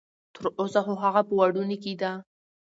تر اوسه خو هغه په وړوني کې ده.